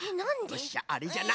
よしじゃああれじゃな。